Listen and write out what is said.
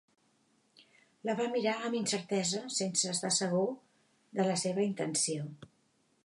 La va mirar amb incertesa, sense estar segur de la seva intenció.